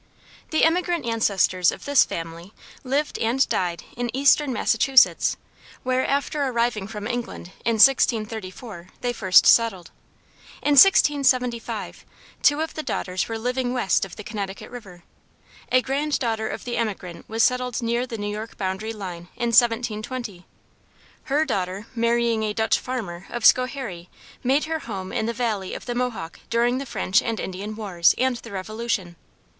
The emigrant ancestors of this family lived and died in eastern Massachusetts, where after arriving from England, in 1634, they first settled. In 1675, two of the daughters were living west of the Connecticut river. A grand daughter of the emigrant was settled near the New York boundary line in 1720. Her daughter marrying a Dutch farmer of Schoharie made her home in the valley of the Mohawk during the French and Indian wars and the Revolution.